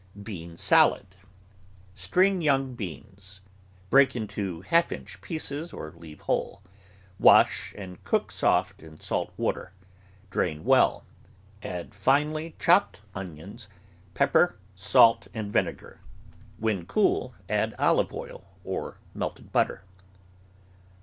BEAN SALAD String young beans; break into half inch pieces or leave whole; wash, and cook soft in salt water; drain well; add finely chopped onions, pepper, salt, * THE GROWING OF VARIOUS VEGETABLES and vinegar; when cool, add olive oil or melted butter.